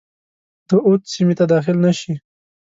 د اود سیمي ته داخل نه شي.